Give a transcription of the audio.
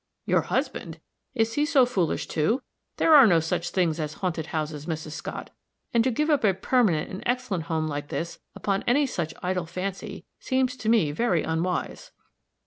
"Your husband! is he so foolish, too? There are no such things as haunted houses, Mrs. Scott; and to give up a permanent and excellent home like this, upon any such idle fancy, seems to me very unwise."